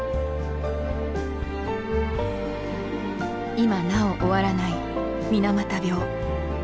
今なお終わらない水俣病。